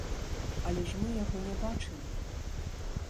Але ж мы яго не бачылі!